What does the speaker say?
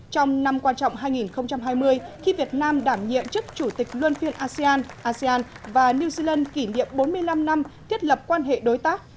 trong năm quan trọng hai nghìn hai mươi khi việt nam đảm nhiệm chức chủ tịch luân phiên asean asean và new zealand kỷ niệm bốn mươi năm năm thiết lập quan hệ đối tác